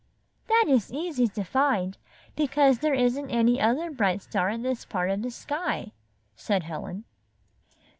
"That is easy to find, because there isn't any other bright star in this part of the sky," said Helen.